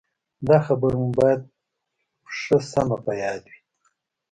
دا خبره مو باید ښه سمه په یاد وي.